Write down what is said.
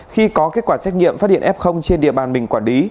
khi có kết quả xét nghiệm phát hiện f trên địa bàn mình quản lý